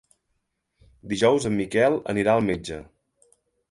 Dijous en Miquel anirà al metge.